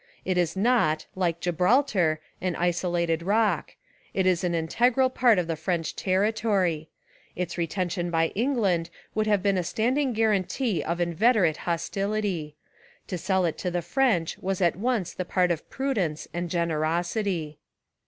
It is not, like Gibraltar, an isolated rock; it is an integral part of the French territory. Its retention by England would have been a standing guarantee of in veterate hostility. To sell it to the French was at once the part of prudence and generosity.